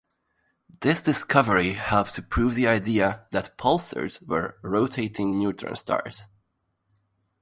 This discovery helped to prove the idea that pulsars were rotating neutron stars.